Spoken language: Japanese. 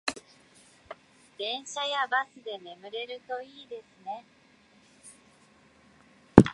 電車やバスで眠れるといいですね